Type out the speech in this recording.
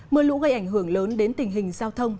mưa lũ gây ảnh hưởng lớn đến tình hình giao thông